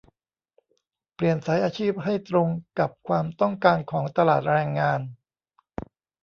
เปลี่ยนสายอาชีพให้ตรงกับความต้องการของตลาดแรงงาน